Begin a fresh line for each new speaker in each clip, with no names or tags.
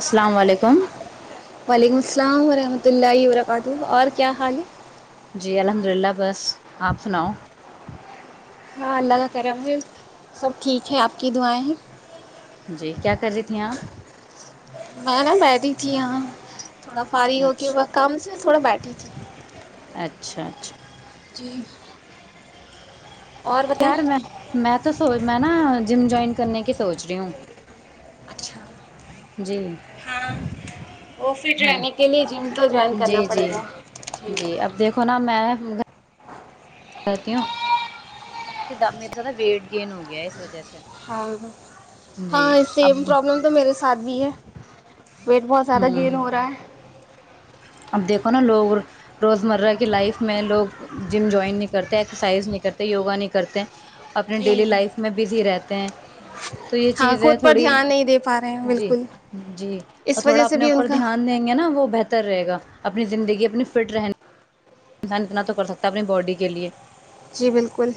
السلام علیکم
وعلیکم السلام ورحمۃ اللہ وبرکاتہ اور کیا حال ہے
جی الحمد للہ بس آپ سناؤ
ہاں اللہ کا کرم سب ٹھیک ہے آپ کی دعائیں
جی کیا کر رہی تھھییں آپ
میں نا بیہ رہی تھی یہاں تھوڑا فار ہو کے وہ
اچھا
کام سے تھوڑا بیٹھی تھی
اچھا اچھا
جی اور بتائیں
یار میں میں تو سو میں نا جم جوائن ک کے سوچ رہی ہووں
اچھا
جی ہاں
جانے کے لیے ج
جی جی جی اب دیکھو نا میں رہتیوں میرے سا ویٹ گین ہو گیا ہے اس وجہ سے
ہاں
جی
ہاں
اب
سیم پرابلم تو میرے ساتھ بھی ہے ویٹ بہت زیادہ
ہ
گین ہو رہا ہے
اب دیکھو نا لوگ روز مرہ کی لائف میں لوگ جم جوائن نہیں کرتے ایکسرسائز نہیں کرتے یوگا نہیں کرتے اپنی
جی
ڈیلی
جی
لائف میں بزی رہتے ہیں تو یہ
ہاں
چیزیں
خود پر
تھوڑی
دھیان نہیں دے پا رہے ہیں
جی
بالکل
جی اور
اس وجہ
تھوڑا
سے
اپنے
بھی ان
اوپر
کا
دھیان دیں گے نا وہ بہتر رہے گا اپنی زندگی اپنی فٹ رہنے انسان اتنا تو کر سکتا ہے اپنی باڈی کے لئے
جی بالکل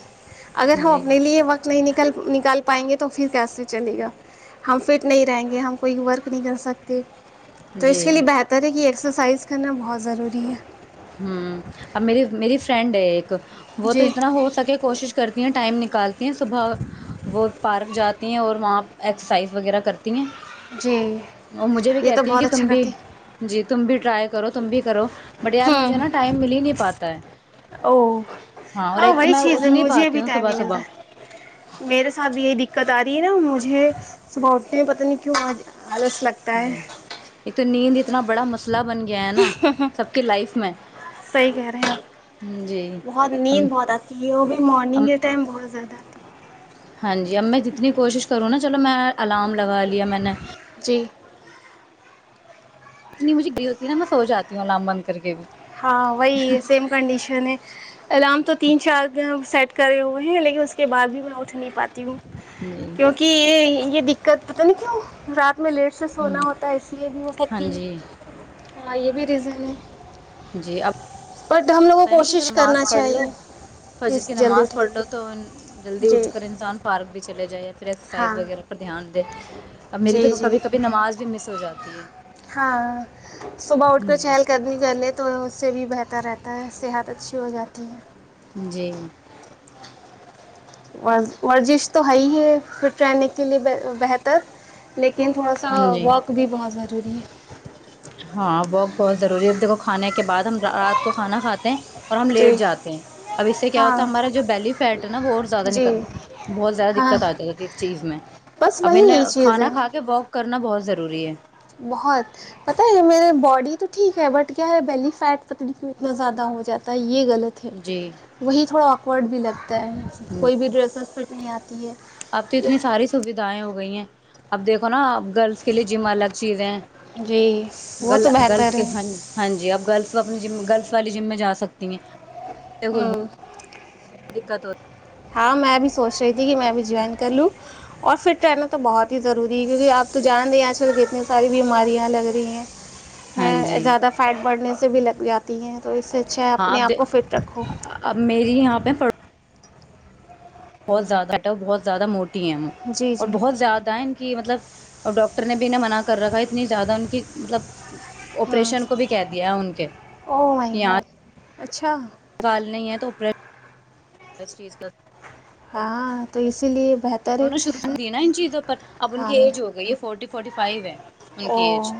اگر ہم اپنے لیے یہ وقت نہیں نکل نکال پائیں گے تو پھر کیسے چلے گا ہم فٹ نہیں رہیں گے ہم کوئی ورک نہیں کر سکتے تو اس
جی
کے لیے بہتر ہے کہ ایسا سائز کرنات
ہوں ا میری میری فرینڈ ہے ایک وہ تو
جی
اتنا ہو سکے کوشش کرتی ہیں ٹائم ن نکالتی ہیں صبح وہ پارک جاتے ہیں اور وہاں ایکسرسائز وغیرہ کرتی ہیں
جی
اور مجھے بھی
یہ تو
کہتی ہیں
بہت
کہ تم
اچھا
بھی
کرتی
جی تم بھی ٹرائی کرو تم بھی کرو بٹ ی مھے
ہوں
ن ٹائم مل نہیں پاتا ت
او ہاں وہی چیز
اٹھ
ہے
نہیں
مجھے
پاتی
ابھی
ہوں
ٹائم
صبح
نہیں ملتا
صبح
میرے ساتھ بھی یہی دقت آتی نا مجھے صبح اٹتے ہیں پت نہیں کیوں آج آلس لگتا ہے
جی ایک تو نیندد ات بڑا مسلہ
صحیح کہہ رہے ہیں
جی
بہت نیند بہت آتی ہے وہ بھی مارننگ کے ٹائم بہت زیادہ آتی ہے
ہاں جی اب میں جتنی کوشش کروں نا چلو میں الارم لگا لیا میں نے
ہے جی
اتنی مجھے گری ہوتی نا میں سواتی ہوں لام بند کر کے بھی
ہاں وہی ہے سیم کنڈیشن ہے الارم تو تین چار سیٹ کرے ہوئے ہیں لیکن اس کے بعد بھی وہ اٹھ نہیں پاتی ہوں
جی
کیونکہ یہ د کر پت نہیں کیوں رات میں لیٹ سے سونا
ہ
ہوتا ہے اس لیے بھی وہ
ہاں
پتی
جی
ہ یہ بھی ریزن ہ
جی اب ن کہ
کوشش کرنا
نماز پڑھ لو
چاہیے کہ
فجر کی
جلدی
نماز پڑھ
اٹھیں
لو تو جلدی
جی
اٹھ کر انسان پارک بھی چلے جائے یا پھر ایکسرسائز
ہاں
وغیرہ پر دھیان دے اب میری
جی
تو
جی
کبھی کبھی نماز بھی مس ہو جاتی ت
ہاں صبح اٹھ کر چہل کر نہیں کر لی تو اس سے بھی بہتر رہتا ہے صحت اچھی ہو جاتی ہے
جی
ورزش تو ہے ہی ہے فٹ رہنے کے لیے بہتر لیکن لیکن تھوڑا سا
ہاں جی
واک بھی بہت ضروری ہے
ہاں بہت بہت ضروری ہے دیکھو کھانے کے کے بعد ہم رات کو کھانا کھاتے ہیں اور ہم
جی
لیٹ جاتے ہیں اب اس سے کیا
ہاں
ہوتا ہے ہمارا جو بیلی فیٹ ہے نا وہ زیادہ
جی
بہت زیادہ
ہاں
دقت آتی اس چیز میں
بس
اب
وہی
نے
یہی چیز ہے
کھانا کھا کے واک کرنا بہت ضروری ہے
بہت پت ہے میرے باڈی تو ٹھیک ہے بٹ کیا ہے بیلی فیٹ تکلیف میں اتنا زیادہ ہو جاتا ہے یہ غلط ہے
جی
وہی تھوڑا آکورڈ بھی لگتا ہے کوئی بھی ڈریس پ نہیںیا
اب تو اتنی ساری سوھائیں ہو گئی ہیں اب دیکھو نا گرلس کے لیے جم الگ چیزیں ہیں
جی وہ
گل
تو بہتر ہے
ہاں جی اپ گرلس اپنی ج گرلس والی جم میں جا سک سکتی ہیں
ہوں
دقت ہو رہ
ہاں میں بھی سوچ رہی تھی دیکھیے میں ابھی جوائن کر لوں اور فٹ رہنا تو بہت ہی ضروری ہے کیونکہ آپ تو جان رہے ہیں آ چل کتنی ساری بیماریاں لگ رہی ہیں
ہاں
ہے
جی
زیادہ فائٹ بڑھنے سے سے بھی لگ جاتی ہیں تو اس سے اچھا
ہاں
اپنے
اب
آپ کو فٹ رکھو
اب میری یہاں پہ بہت زیادہ بہت زیادہ موٹ ٹی ایم
جی
اور
جی
بہت زیادہ ان کی مطلب اور ڈاکٹر نے بھی انیں منع کر رکھا ہے اتنی زیادہ ان کی مطلب
ہاں
آپریشن کو بھی کہہ دیا ہے ان کے
او مائی
کہ یہاں
گاڈ اچھا
بالنی ہے تو اوپر اس چیز کا
ہاں تو اسی لیے بہتر
انوں
ہے
نے شروع سے دی نا ان چیزوں پر اب ان کی
ہاں
ایج ہو گئی یہ فورٹی فورٹی فائیو ہے ان
او
کی ایج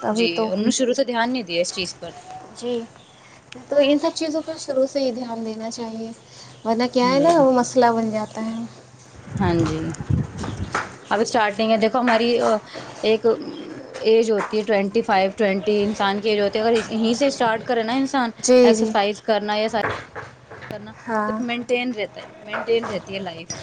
تبھی
جی
تو
اور انہوں نے شروع سے دھیان نہیں دیا دی اس چیز پر
جی تو ان سب چیزوں پر شروع سے ہی دھیان دینا چاہیے اہ کیا ہے
جی
نا وہ مسئلہ جاتا ہیں
ہاں جی اب اسٹارٹنگ ہے دیکھو ہماری ایک ایج ہوتی ٹوینٹی فائیو ٹوینٹی انسان کے ایج ہوتے ہے اگر یہیں سے اسٹارٹ کرے نا ان
جی جی
ایکسرسائز کرنا یا سار کرنا
ہاں
مینٹین رہتا ہے مینٹین رہتی ہے لائف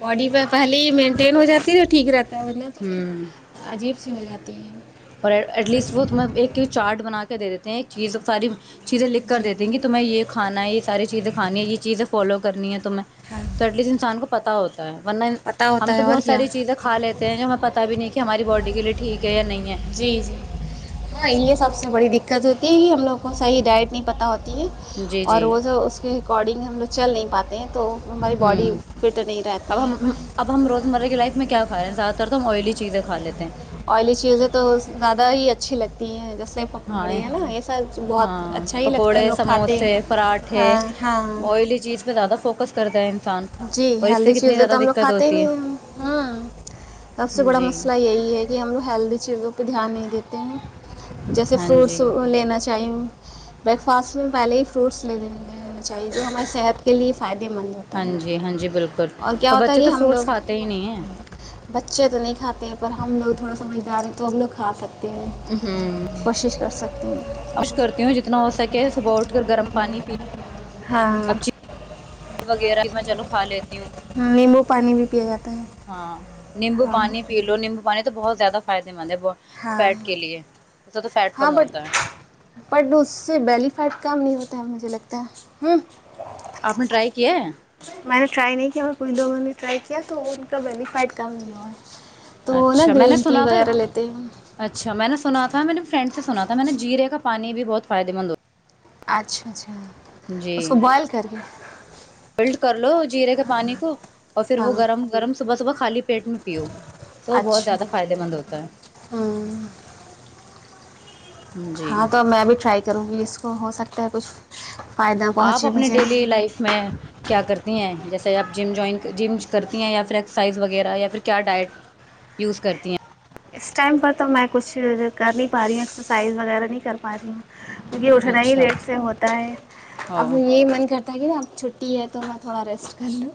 بڈی پہ پہلے ہی مٹ ین ہو جاتی ہے ٹھیک رہتا ہے ورنہ تو
ہوں
پھر عجیب سی ہو جاتی تین
اور ایٹ لیسٹ وہ تم ایک چارٹ بنا کے دے دیتے ہیں ایک چیز ساری چیزیں لکھ کر
جی
دیتی ہیں کہ تمہیں یہ کھانا ہے یہ ساری چیزیںھانی ہے یہ چیز فالو کر کرنی ہے تو میں
ہاں
تو ایٹ لسٹ انسان کو بتاؤت ورنہ
پتہ
ہم
ہوتا ہے
تو
اور
بہت
کیا
ساری چیزیں کھا لیتے ہیں جو ہمیں پت بھی نہیں کہ ہماری باڈی کے لیے ٹھیک ہے یا نہیں ہے
جی جی ہاں یہ سب سے بڑی دقت ہوتی ہے کہ ہم لوگ کو صحیح ڈائٹ نہیں پت ہوتا
ہے جی
اور
جی
وہ جوب اس کے اکارڈنگ ہم لوگ چل نہیں پاتے ہیں تو ہماری باڈی
ہوں
فٹ نہیں رہتی
اب ہم
ہے
اب ہم روزمرہ کی لائف میں کیا کھاے ہیں زیاہ تر تو ہم آئلی چیزیں کا لیتے ہیں
آئلی چیزیں تو زیادہ ہی اچھی لگتی ہیںس
ہاں ہاں
اچھا ہی لگتا ہے
پکوڑے
لوگ کھاتے
سموسے
ہیں
پراٹھے
ہاں ہاں
آئلی چیز پہ زیادہ فوکس کرتے ہیں
جی ہیلدی چیزیں تو ہم لوگ کھاتے ہی
ہوتی ہے
نہیں ہیں ہ سب سے بڑا
جی
مسئلہ یہی ہے کہ ہم لوگ ہیلدی چیزوں پہ دھیان نہیں دیتے ہیں جیسے
ہاں
فروٹس
جی
لینا چاہیے بریک فاسٹ میں پہلے ہی فروٹس لےنےینا چاہیے جو ہماراری صحت کے لیے فائدے مند
ہاں جی ہاں جی بالکل
اور کیا
اور
ہوتا ہے
بچے
کہ
تو
ہم
فروٹس
لوگ
کھاتے ہی نہیں ہیں
بچے تو نہیں کھاتے پر ہم لوگ تھوڑا سمجھدار تو ہم لو کھا سک ہیں کوشش کر سکتے ہیں
خوش کرتی ہوں جتنا ہو سکے صبح اٹھ کر گرم پانی پی
ہاں
اب وغیرہ میں چلو کھا لیتے
نیمبو پانی بھی پیا جاتا ہے
ہاں نیمبو
ہاں
پانی پی لو نیمبو پانی تو بہت زیاد فائد مند ہے
ہاں
فیٹ کے لیے فیٹ
ہاں
کم
بٹ
ہوتا ہے
بٹ اس سے بلیف فٹ کام نہیں ہوتا ہے مجھے لگتا ہے ہوں
آپ نے ٹرائی کیا ہے
میں نے ٹرائی نہیں کیا کوئی دگوں نے ٹائی کیا تو ان کا وینفائڈ کام ہو
اچھا میں نے سنا تھا
لیتے ہیں
اچھا میں نے سنا تھا میں نے فرینڈ سے سنا تھا میں نے جیرے کا پانی بھی بہت فائدے مند ہو
اچھا اچھا اس کو بوائل کر کے
ملٹ کر لو جیرے کے پانی کو اور پھر
ہاں
وہ گرم گرم صبح صبح خالی پیٹ میں پیو تو بہت
اچھا
زیادہ فائدے مند ہوتا ہے
ہوں
جی
ہاں تو میں بھی ٹرائی کروں گی اس کو ہو سکتا تا کچھ فائدہ
آپ
پہنچے
اپنی
مجھے
ڈیلی لائف میں کیا کرتی ہیں جیسے آپ جم جوائن جم کرتی ہیں یا پھر ایکسرسائز وغیرہ یا پھر کیا ڈائٹ یوز کرتی ہیں
اس ٹائم پر تو میں کچھ کر نہیں پا رہی ہوں ایکسرسائز وغیرہ نہیں کر پا رہی ہوں کیکہ اٹھنا ہی
اچھا
ریٹ سے ہوتا ہے اب
او
ہم یہی من کرتا تاکہ اب چھٹی ہے تو میں تھوڑا ریسٹ کر لوں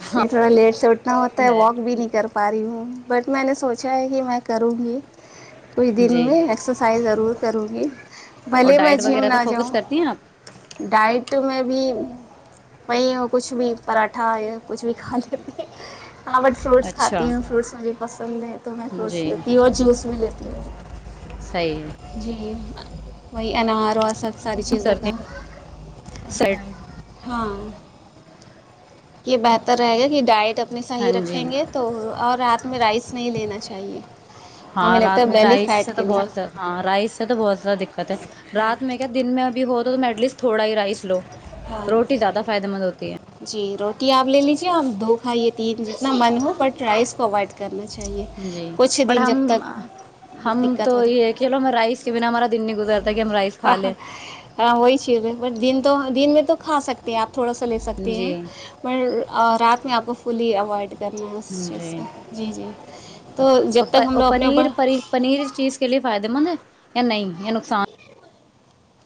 اس میں تھوڑا لیٹ سے اٹھنا ہوتا ہے واک بھی نہیں کر پا رہی ہوں بٹ میں نے سوچا ہے کہ میں کروں گی کچھ دن
جی
میں ایکسرسائز ضرور کروں گی
اور
بھلے میں
ڈائٹ
جم
وغیرہ پہ
نہ جاؤں
فوکس کرتی ہیں آپ
ڈائٹ میں بھی وہیں وہ کچھ بھی پراٹھا کچھ بھی کان ج ہاں بٹ فروٹس کھاتی
اچھا
ہوں فروٹس مجھے پسند ہے تو میں فروٹس ل
جی
ت وہ جوس بھیل تو
صحیح ہے
جی [inaudible] وہی انار و سب ساری چیزوں کا
سردی سرد
ہاں یہ بہتر رہے گا کہ ڈائٹ اپنی
ہاں
صحیح
جی
رکھیں گے تو اور راتھ میں رائس نہیں لینا چاہیے
ہاں
ہمیں لگتا ہے
رات میں
بیلی
رائس سے
فیٹ
تو
کے لیے
بہت ہاں رائس سے تو بہت زیادہ دقت ہے
ہاں
رات میں کیا دن میں بھی ہو تو تم ایٹ لیسٹ تھوڑا ہی رائس لو
ہاں
روٹی زیادہ فائدہے مند ہوتی ہے
جی روٹی آپ لے لیجے آپ دو کھائیے تین جتنا من ہو بٹ رائز کو اوائڈ کرنا چاہیے
جی
کچھ
بٹ
دن جب
ہم
تک
ہم
دقت
تو
ہو رہی
یہ ہے کہلو ہم رائس کے بنا ہمارا دن نہیں گزرتا کہ ہم رائس کھا لیں
ہاں وہی چ ا ب دن تو دن میں تو کھا سکتے ہیں آپ تھوڑا سا لے سکتی ہیں
جی
مر اور رات میں آپ کو فلی اوائڈ کرنا ہے اس چیز
جی
سے جی جی تو جب تک ہم
اور
لوگ اپنے
پنیر
اوپر
پنیر اس چیز کے لیے فائدے مند ہے یا نہیں یا نقصان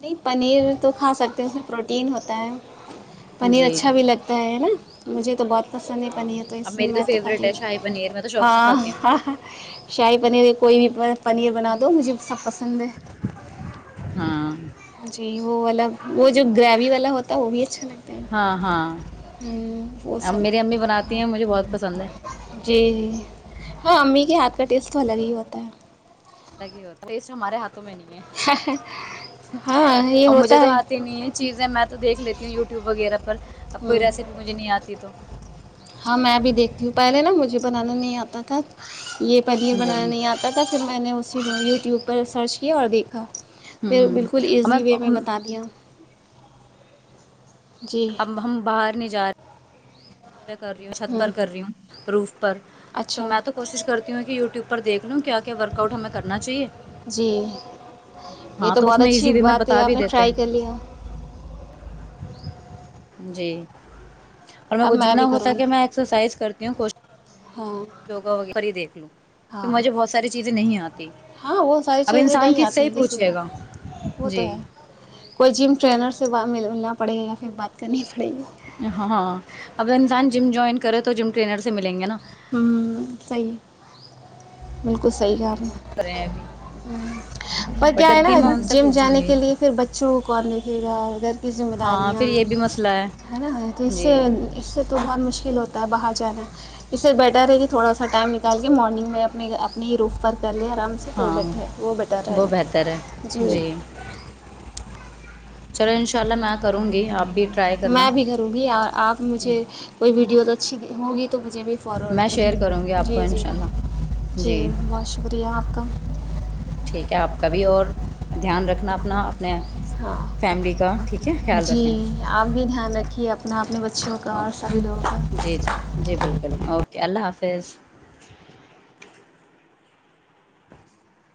نہیں پنیر تو کھا سکتے ہیں اس میں پروٹین ہوتا ہے پنیر
جی
اچھا بھی لگتا ہے ہے نا مجھے تو بہت پسند ہے
ہاں
پنیر تو
اب
اس لیے
میری
میں تو کھاتی
فیوریٹ ہے شاہی
ہو
پنیر میں تو شوق سے کھاتی ہوں
ہاں شاہی پنیر کوئی بھی پا پنیر بنا دو مجھے سب پسند ہے
ہاں
جی وہ والا وہ جو گریوی والا ہوتا وہ بھی اچھا لگتا
ہاں ہاں
ہیں ہمم وہ
اب میری
سب
امی بناتی ہیں مجھے بہت پسند ہے
جی جی ہاں امی کے ہاتھ [unintelligible]
الگ ہی ہوتا ٹیسٹ ہمارے ہاتھ میں نہیں ہے
ہاں یہ
اور مجھے
ہوتا
تو
ہے
آتی نہیں ہے چیزیں میں تو دیکھ لیتی ہوں یوٹ ٹیو وغیرہ پر اب کوئی
ہاں
ریسیپی مجھے نہیں آتی تو
ہاں میں بھی دیکھتی ہوں پہلے نا مجھے بننا نہیں اتا تھا یہ پنیر
جی
بنانا نہیں
ہ
آتا تھا پھر میں نے اس اس یوٹیوب پر سرچ کیا اور دیکھا پ بالکل ایزی وے میں بتا دیا جی
اب ہم باہر نہیں جا رہے کر رہی ہوں چھت پر کر رہی ہوں روح تو
اچھا
میں تو کوشش کرتی ہوں کہ یو ٹیوب پر دیکھ کیا ورک آؤٹ ہمیں کرنا چاہیے
جی یہ
ہاں
تو
اس
بہت
میں
اچھی
ایزی وے میں
بات ہے
بتا
آپ
بھی
نے
دیتے
ٹرائی کر لیا
جی اور میر
اب
کو
میں
جتنا
بھی
ہو
کروں گی
سکے میں ایکسرسائز کر کیوں کوچھ
ہاں
یوگا ویرہ پر ہی دیکھ لو کہ
ہاں
مجھے بہت ساری چیزیں نہیں آتی
ہاں وہ ساری
اب
چیزیں
انسان
نہیں
کس سے
آتی
ہی
ہیں کسی کو
پوچھے گا
وہ تو
جی
ہے کوئی جم ٹرینر سے ب مللنا پڑے گا پھر بات کرنی پڑے گی
ہاں اگر انسان جم جوائن کرے تو جم ٹرینر سے ملیں گے نا
ہمم صحیح ہے بالکل صحیح ہے آپ
کرے ہیں ابھی
پر کیا ہے
پٹرتی
نا
میں ان سے
جم
پوچھوں
جانے
گی
کے لیے پھر بچوں کو کون دکھے گا گھر کی ذمہ
ہاں
داریاں
پھر یہ بھی مسئلہ
ہے نا تو اس
جی
سے سے تو بہت مشکل ہوتا ہے باہر جانا اس سے بیٹر ہے کہ تھوڑا سا ٹائم نکال کے مارننگ میں اپنے اپنے ہی روف پر ی آرام سے تو
ہاں
بیٹھے وہ بیٹر رہ
وہ بہتر ہے
گا جی
چلو انشاء اللہ میں کروں گی آپ بھی ٹرائی کرنا
میں بھی کروں گی آپ مجھے کوئی ویڈیو چ ہو
میں شیئر کروں گی آپ کو ان
جی
شاء اللہ جی
بہت شکریہ آپ کا
ٹھیک ہے آپ کا بھی اور دھیان رکھنا اپنا اپنے
ہاں
فیملی کا ٹھیک ہے خیال
جی
رکھیں
آپ بھی دھیان رکھے یہ اپنا اپنے بچوں کا
او
اور سبھی لوگوں کا
فیز